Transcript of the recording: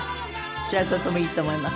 それはとてもいいと思います。